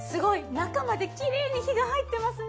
中まできれいに火が入ってますね。